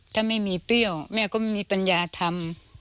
ถ้าไม่มีเปรี้ยวแม่ก็ไม่มีปัญญาทำ